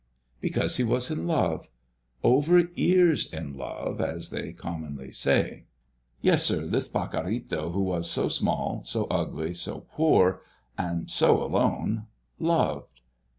Because he was in love, over ears in love, as they commonly say. Yes, sir, this very Pacorrito, who was so small, so ugly, so poor, and so alone, loved.